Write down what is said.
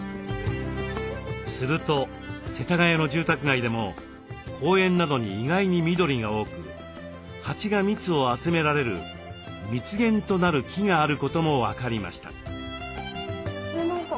すると世田谷の住宅街でも公園などに意外に緑が多く蜂が蜜を集められる蜜源となる木があることも分かりました。